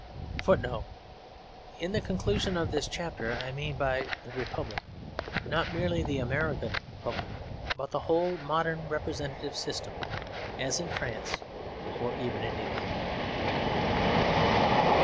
FOOTNOTE: In the conclusion of this chapter I mean by the Republic not merely the American Republic, but the whole modern representative system, as in France or even in England.